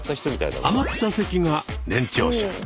あまった席が年長者。